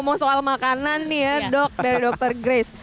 mau soal makanan nih ya dok dari dokter grace